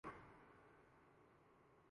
پاگلوں والی چیزیں کرتا ہوں